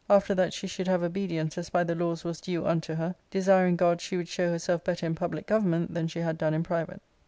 After that she should have obedience as by the laws was due unto her, desiring God she would show herself better in public government than she had done in private.